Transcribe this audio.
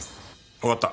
わかった。